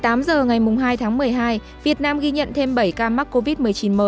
tính đến một mươi tám h ngày mùng hai tháng một mươi hai việt nam ghi nhận thêm bảy ca mắc covid một mươi chín mới